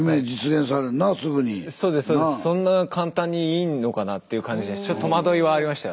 そんな簡単にいいのかなっていう感じでちょっと戸惑いはありました。